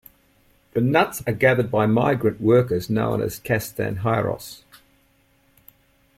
The nuts are gathered by migrant workers known as "castanheiros".